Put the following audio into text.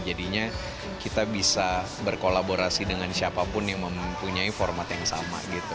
jadinya kita bisa berkolaborasi dengan siapapun yang mempunyai format yang sama gitu